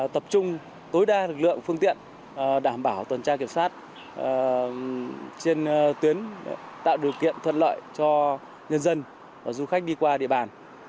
tập trung tối đa lực lượng phương tiện đảm bảo tuần tra kiểm soát trên tuyến tạo điều kiện thuận lợi cho nhân dân và du khách đi qua địa bàn